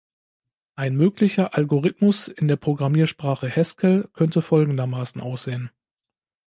Ein möglicher Algorithmus in der Programmiersprache Haskell könnte folgendermaßen aussehen.